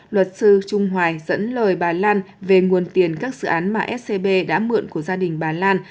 luật sư trung hoài dẫn lời bà lan về nguồn tiền các dự án mà scb đã mượn của gia đình bà lan